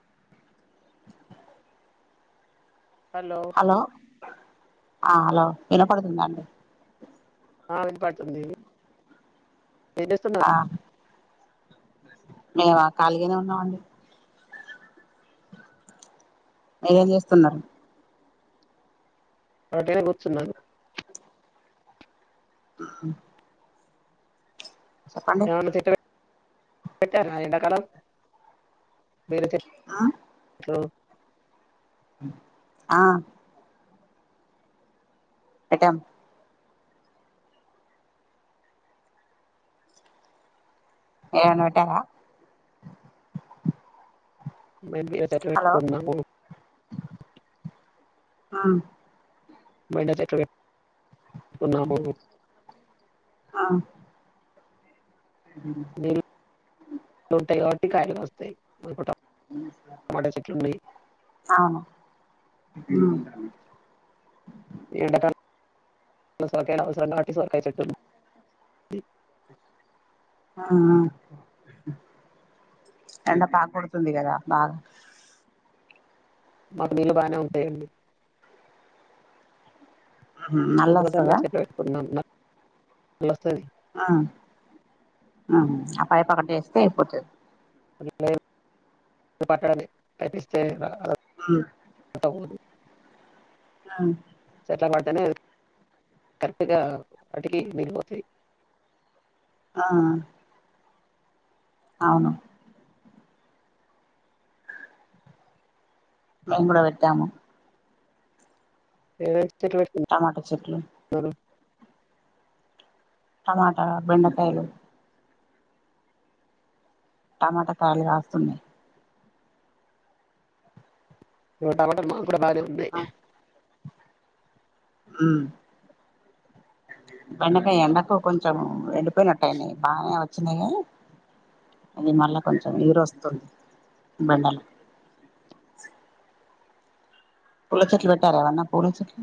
Wood హూ hello! ఆ hello ఇనపడుతుందా అండి ఆ విన్పడుతుంది. ఏం చేస్తున్నార్ మేమా కలిగనే ఉన్నామండి. అయ్యేం చేస్తున్నారు. ఊరికనే కూర్చున్నారు. తహు ఏమన్న పెట్టడం పెట్టారా ఎండాకాలం పెడ్తే ఆ సో ఆ పెట్టాం. ఏం పెట్టలె బెండకాయ్ చెట్లు హలో పెట్టుకున్నము. ఆ బెండ చెట్లు పెట్టుకున్నాము. ఆ హున్హు హు కాయల్ కాస్తయి [unintelligible] అవును మ్ [unintelligible] ఇంట్లో సొరకాయల్ అవసరం కాబట్టి సొరకాయ చెట్టు ఆహా ఎండ పా కొడుతుంది కదా బాగా మాకు నీళ్ళు బానే ఉంటాయండి ఉమ్ నల్ల బోజున వస్తదా సంధివచ్చినప్పుడు పెట్టుకుంటున్నాం వస్తుంది ఆ ఆహా ఆ పై పక్కకి వేస్తే అయిపోతాది పట్ట కపిస్తే ఉమ్ పోతలేదు అ అట్ల పడ్తే కరెక్ట్గా అతికి విరిగిపోతయి. ఆ అవును. లొంగుల పెట్టాము. ఏ టమాటో చెట్లు టమాట బెండకాయలు టమాటాకాయలు కాస్తున్నాయి ఇదా టమాట మాకు కూడా బాగానే ఉన్నాయి ఉమ్ బండకాయ ఎండకో కొంచెం ఎండిపోయినట్టాయినై బాగానే వచ్చినాయి కానీ ఇది మళ్ళ కొంచెం ఇగురు వస్తుంది బెండ పుల చెట్లు పెట్టారా ఏమన్నా పూల చెట్లు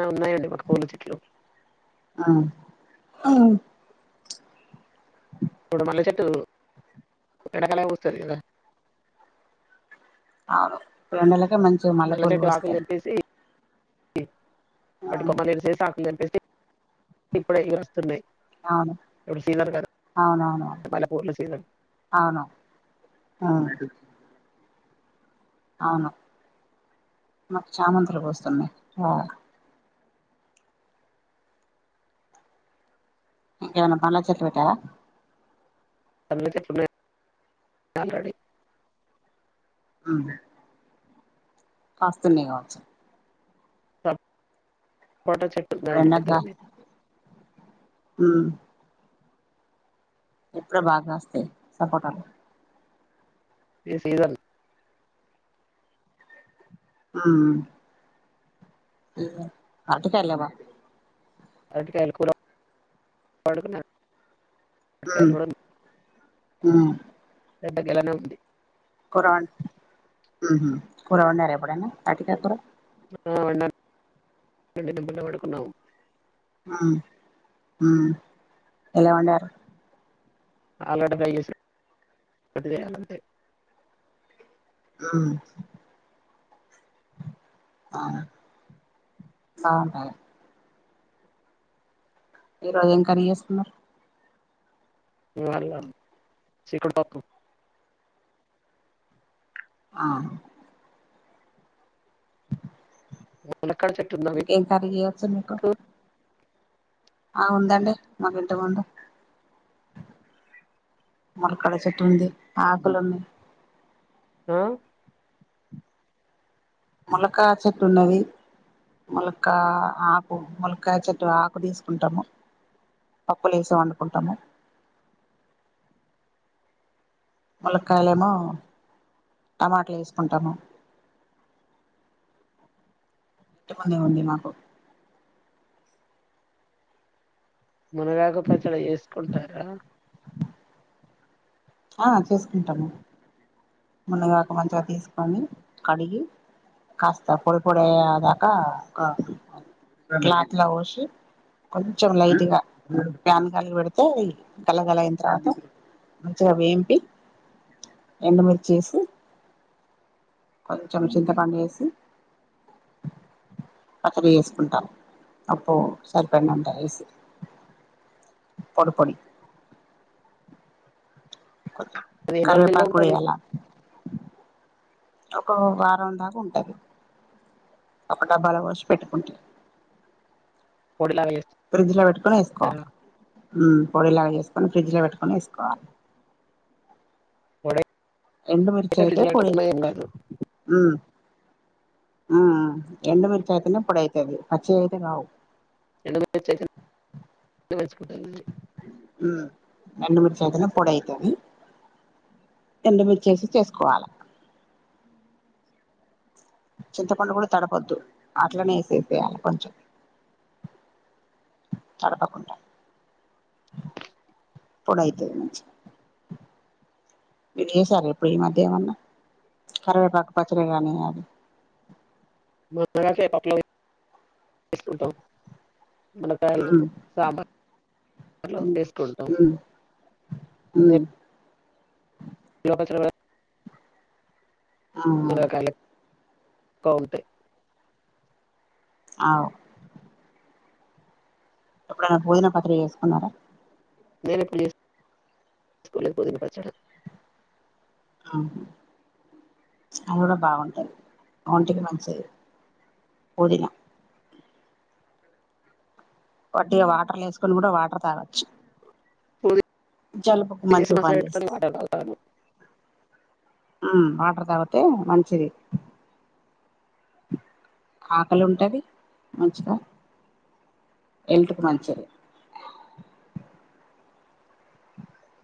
ఆ ఉన్నాయండి మాకు పూల చెట్లు ఉమ్ ఇప్పుడు మల్లె చెట్టు ఎండాకాలమే పూస్తది కదా అవును రెండు నెలలకే మంచి మల్లె మల్లెపూలు చెట్టు ఆకులు పూస్తాయి తెంపేసి వాటి కొమ్మలు ఇరిచేసి ఆకులు తెంపేసి న్న అవును ఎ సీజన్ గదా అవునవును మల్లెపూల సీజన్ అవును ఆహా అవును మాకు చామంతులు పుస్తున్నాయ్ ఇంకా ఎమన్నా పళ్ళ చెట్టు పెట్టావా మల్ల చెట్లు ఉన్నాయి ఆల్రెడీ ఉమ్ కాస్తున్నాయి కావచ్చు ప పోటా చెట్టు ఇప్పుడు ఉండండి పెద్దది ఉమ్ ఇప్పుడే బాగా కస్తాయ్ సపోటలు ఈ సీజన్ ఉమ్ అట్టుకెళ్ళావా అరటికాయలు కూడా [unintelligible] ఉమ్ పెద్ద గెల్లానే ఉంది కూరాన్ కూరవండరా ఎప్పుడన్నా అరటికాయ కూర హా వొందన్ ఎం అయింది దాబునే పడుకున్నావు హా ఉమ్ ఎలా వండారు ఆలుగడ్డ ఫ్రై చేశా చేసినట్టు చేయాలి అంతే ఉమ్ హా ఆహా ఈరోజు ఏం కర్రీ చేస్తున్నారు ఇవాళ చిక్కుడు పప్పు ఆ ములక్కాడ చెట్టు ఉందా ఇంకా ఏం కర్రీ చేయొచ్చు మీకు ఆ ఉందండి మా పెద్దగుంది ముల్కలా చెట్టు ఉంది ఆకులు ఉంది ఆ మూలకాయ చేట్టు ఉన్నాది ములక్క ఆ ఆకు ముల్లకాయ చెట్టు ఆకు తీసుకుంటాము పప్పుల వేసి వండుకుంటాము ములక్కాయలేమో టమాటాలు వేసుకుంటాను ఉట్టి కునే ఉంది మాకు మునగాకు పచ్చడి చెసుకుంటారా ఆ చేసుకుంటాము మునగాకు మంచిగా తీసుకొని కడిగి కాస్త పొడి పొడి అయేదాకా క క్లాతలో వొషి కొంచెం లైట్గా ఫ్యాన్ గాలికి పెడితే గలగల అయిన తర్వాత మంచిగా వేంపి ఎండుమిర్చేసి కొంచెం చింతపండు ఎసి పచ్చడ చేసుకుంటాం ఉప్పు సరిపడినంత ఎసి పొడి పొడి అది ఎన్ని రోజులు నిల్వ కరివేపాకు గుడా ఉంటది ఎయలా ఒక వారం దాకా ఉంటది ఒక డబ్బాలో పోసి పెట్టుకుంటే పొడిలాగా ఫ్రిడ్జ్ లో పెట్టుకొని ఎసుకో చేస్తారా ఉమ్ పొడిలాగా చేసుకొని ఫ్రిడ్జ్ లో పెట్టుకొని ఎసుకోవాలే పొడి ఎండుమిర్చి అయితే ఫ్రిడ్జ్ లో పోడి పెట్టకుండా ఏం కాదు ఉమ్ ఆ ఆ ఎండుమిర్చియితనే పొడి అయితది పచ్చియి అయితే కావు ఎండు మిర్చి అయితేనే మంచిగుంటది ఉమ్ ఎండుమిర్చి అయితేనా పొడి అయితది ఎండుమిర్చి ఎసి చేసుకోవాలా చింతపండు కూడా తడపద్దు అట్లనే ఎసే సేయాలకొంచెం తడపకుంట పొడైయితది మంచిగా మీరు చేసారా ఇప్పుడు ఈ మధ్య ఎమన్న కారవేపాకు పచ్చడి గాని అది [unintelligible] ఎస్కుంటాం మునకాయలు ఉమ్ సాంబార్ లో ఎసుకుంటాం ఉమ్ ఉమ్ [unintelligible] ఉమ్ మునకాయల కౌంటే ఔ ఎప్పుడైనా పుదీనా పచ్చడ చేసుకున్నారా నేనేప్పుడు చేసుకోలేదు పుదీనా పచ్చడ ఆ అది కూడా బాగుంటంది ఒంటికి మంచిది పుదిన వట్టిగా వాటర్ల వేసుకొని కూడా వాటర్ తాగొచ్చు పుదీనా జలుబుకు వేసి మంచిగా మసాలా పని పెట్టుకొని చేస్తా వాటర్ తాగుతాను ఉమ్ వాటర్ తగుతే మంచింది ఆకలుంటది మంచిగా హెల్త్ కు మంచిది.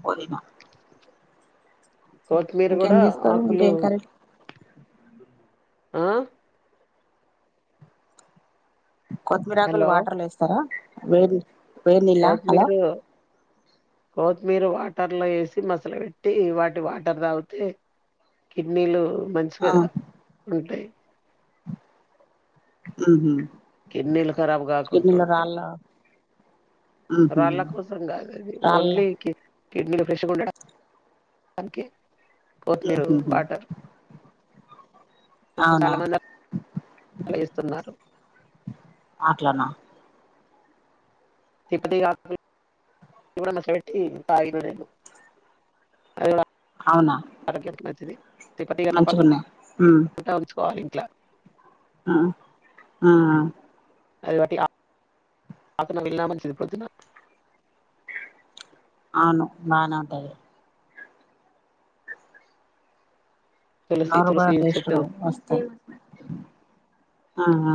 వొదన కోత్మీరు గూడా చేస్తారు ఆకులు ఇంకేం కర్రీ ఆ కొత్మీరాకులు హలో వాటర్లో వేస్తారా వే వేన్నీళ్ళా హలో కొత్మీర్ వాటర్లో యేసి మసల పెట్టి వాటి వాటర్ తాగుతే కిడ్నీలు మంచిగా ఆ ఉంటాయి ఉహుం కిడ్నిలు ఖరాబ్ కాకుంటుంటయి ఉహు రాళ్ళ కోసం గాదది రాళ్ళ ఓన్లీ కి కిడ్నీలు ఫ్రెష్గా ఉండడా నికి కోత్మీరు ఉహుహు వాటర్ అవునా చాలా మంది అలా ఏస్తున్నారు ఆట్లనా తిప్ప తీగ ఆకు [inaudible] మస బెట్టి తాగినా నేను అవునా [inaudible] ఆరోగ్యానికి మంచిది తిప్ప తీ మంచిగున్నాయి [inaudible] ఉంచుకోవాలి ఇంట్లా అ అ అ అది బట్టి ఆ ఆకున విల్నా మంచిది ప్రొద్దునా అవును బానే ఉంటాయి తులసి నొరుగా తులసి టేస్ట్ చెట్టు వస్తాయ్ అ అ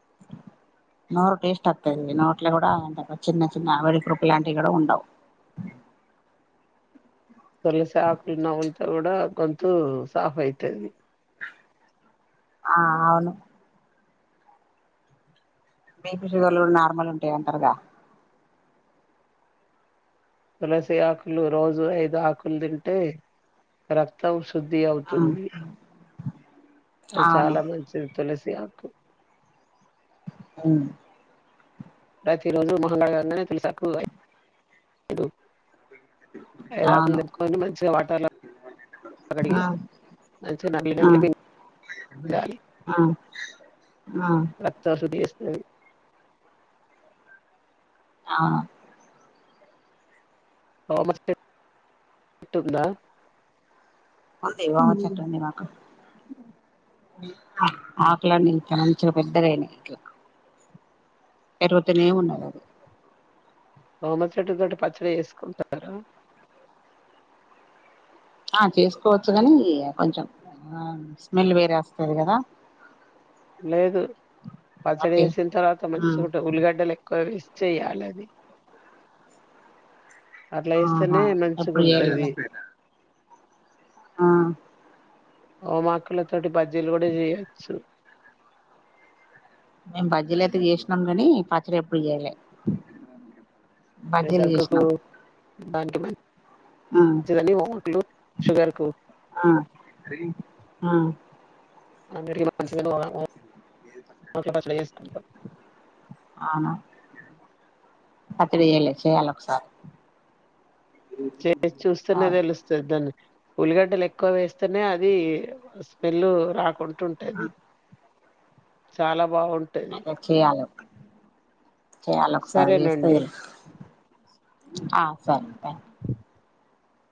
[inaudible] నోరు టేస్ట్ అత్తది నోట్లో గూడా అంత చిన్న చిన్న వెడికూర్పులాంటివి గూడా ఉండవ్ తులసాకులు నవ్వుల్తే గూడా గొంతు సాఫ్ అయితది. ఆ అవును బీపీ షుగర్లు గుడా నార్మల్ ఉంటాయి అంటారుగా తులసి ఆకులు రోజు ఐదు ఆకులు దింటే రక్తం శ్ శుద్ధి అవుతుంది అది అవును చాలా మంచిది తులసి ఆకు అవును ప్రతి రోజు మొహం కడగంగానే తులసాకు [inaudible] దు ఐదాకులు అవును అవును దెంపుకొని మంచిగా వాటర్ల గడిగి మంచిగా నల్లి నల్లి పిం డాలి రక్త శుద్ధి చే [inaudible] ఆ తోమస్ [inaudible] టుందా ఉంది [unintelligible] చెట్టు మాకు ఆకులన్నీ ఇట్ల మంచిగ పెద్దగైనయ్ ఇట్లా పెరుగుతానే ఉన్నదది వోమ చెట్టు తోటి పచ్చడ చేసుకుంటార ఆ చేసుకోవచ్చు గాని కొంచం స్మెల్ వేరే వస్తది గదా లేదు పచ్చడి జేసిన్ తర్వాత మంచిగుంట ఉల్లిగడ్డలు ఎక్కువ వేస్ చేయాలది అట్ల ఆహా యేస్తేనే ఎప్పుడు చేయలేదా మంచిగుంటది. ఆ ఓమాకులతోటి బజ్జిలు గూడా జేయొచ్చు మేం బజ్జీలయితే జేసినం గనీ పచ్చడి ఎప్పుడు జేయలే దగ్గుకు దానికి మన్ ఆ చిదని ఓమాకులు షుగర్కు అహ్ అహ్ [inaudible] అవునా పచ్చడి జేయాలే చేయాలొకసారి చేసి చూస్తేనే తెలుస్తది దాన్ని ఉల్లిగడ్డలు ఎక్కువ వేస్తేనే అది స్మెల్ రాకుంటుంటంది చాలా బాగుంటది అదె చేయాలి చేయాలొకసారి జేస్తే సరేనండి తెల్స్ ఆ సరే థ్యాంక్